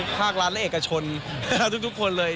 ข้ากร้านและเอกกระชนทุกคนเลย